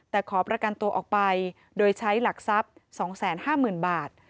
แต่ขอประกันตัวออกไปโดยใช้หลักทรัพย์๒๕๐๐๐บาท